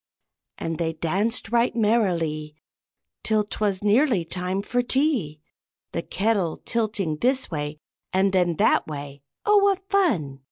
And they danced right merrily Till 'twas nearly time for tea, The kettle tilting this way and then that way oh, what fun!